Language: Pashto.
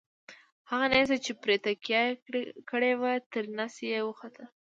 هغه نیزه چې پرې تکیه یې کړې وه تر نس یې وخوته.